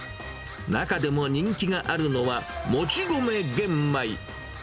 中でも人気があるのは、もち米玄米。